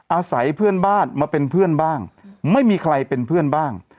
อาศัยเพื่อนบ้านมาเป็นเพื่อนบ้างไม่มีใครเป็นเพื่อนบ้าง